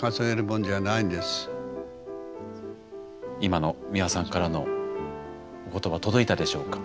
今の美輪さんからのお言葉届いたでしょうか？